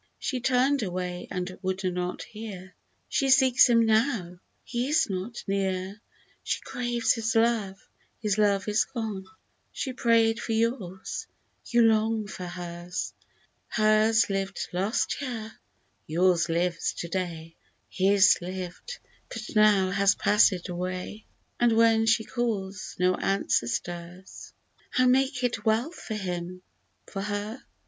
She turn'd away and would not hear ; She seeks him now, he is not near, She craves his love — his love is gone ! She pray'd for yours — you long for hers \ Hers lived last year, yours lives to day ; His lived, but now has passed away, — And when she calls no answer stirs ! G 2 84 '* Tout vient d qui suit attendre'' How make it well for him — ^for her